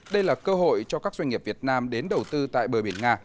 đây là cơ hội cho các doanh nghiệp việt nam đến đầu tư tại bờ biển nga